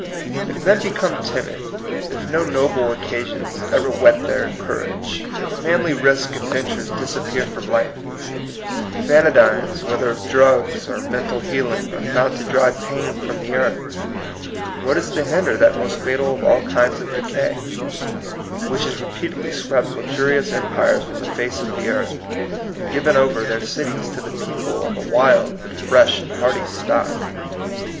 If men become timid; if no noble occasions ever whet their cour age ; if manly risks and ventures disappear THE IRON IN THE BLOOD. 36 from life; if anodynes, whether of drug^s or mental healing, are found to drive pain from the earth, — what is to hinder that most fatal of all kinds of decay, which has repeatedly swept luxurious empires from the face of the earth, and given over their cities to the people of a wild but fresh and hardy stock